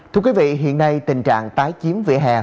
thưa quý vị hiện nay tình trạng tái chiếm vỉa hè